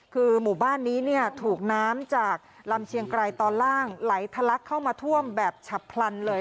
คือหมู่บ้านนี้เนี่ยถูกน้ำจากลำเชียงไกรตอนล่างไหลทะลักเข้ามาท่วมแบบฉับพลันเลย